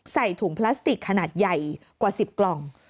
ใส่ถุงพลาสติกขนาดใหญ่กว่า๑๐กล่อง